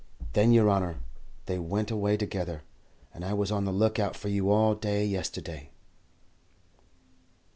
'" "Then, yer honour, they went away together, and I was on the look out for you all day yesterday."